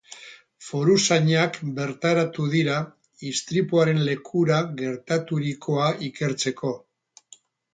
Foruzainak bertaratu dira istripuaren lekura gertaturikoa ikertzeko.